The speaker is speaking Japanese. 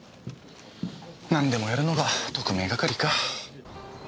なんでもやるのが特命係か。